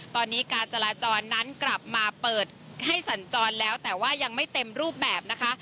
ตอนนี้การจัลลาย์จ้อนนะครับมาเปิดให้สัดจ่อนแล้วแต่ว่ายังไม่เต็มรูปแบบนะคะ